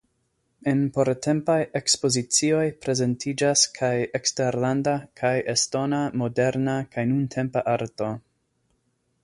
En portempaj ekspozicioj prezentiĝas kaj eksterlanda kaj estona moderna kaj nuntempa arto.